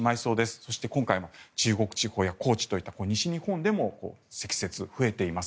そして今回中国地方や高知といった西日本でも積雪が増えています。